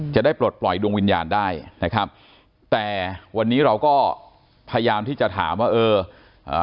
จะได้ปลดปล่อยดวงวิญญาณได้นะครับแต่วันนี้เราก็พยายามที่จะถามว่าเอออ่า